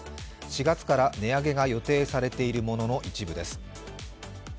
４月から値上げが予定されているものの一部です。